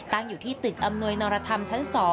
อยู่ที่ตึกอำนวยนรธรรมชั้น๒